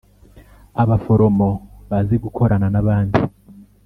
Abaforomo bazi gukorana n’abandi